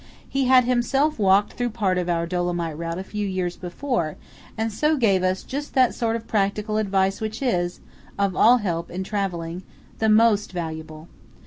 He had himself walked through part of our Dolomite route a few years before, and so gave us just that sort of practical advice which is, of all help in travelling, the most valuable.